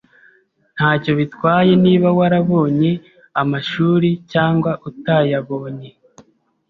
Ntacyo bitwaye niba warabonye amashuri cyangwa utayabonye.